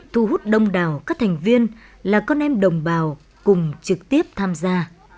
thu hút đông đảo các thành viên là con em đồng bào cùng trực tiếp tham gia